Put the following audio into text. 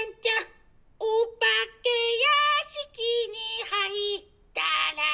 「お化けやしきに入ったら」